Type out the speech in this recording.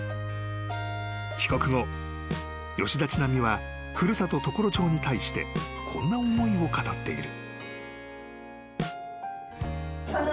［帰国後吉田知那美は古里常呂町に対してこんな思いを語っている］